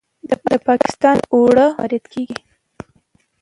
د پاکستان اوړه وارد کیږي.